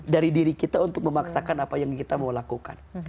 dari diri kita untuk memaksakan apa yang kita mau lakukan